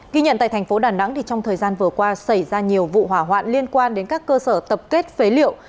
ghi nhận tại thành phố đà nẵng trong thời gian vừa qua xảy ra nhiều vụ hỏa hoạn liên quan đến các cơ sở tập kết phế liệu